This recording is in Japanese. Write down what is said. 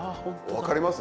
分かります？